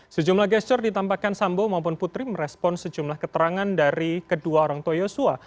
sejumlah gesture ditampakkan sambo maupun putri merespon sejumlah keterangan dari kedua orang tua yosua